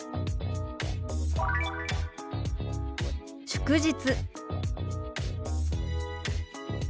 祝日。